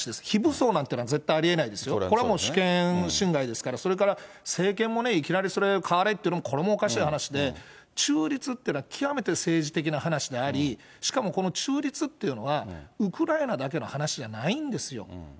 非武装なんていうのは絶対ありえないですよ、これはもう主権侵害ですから、それから政権もね、いきなりそれを代われっていうのも、これもおかしい話で、中立っていうのは極めて政治的な話であり、しかもこの中立っていうのは、ウクライナだけの話じゃないんですよ。